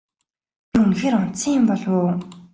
Би үнэхээр унтсан юм болов уу?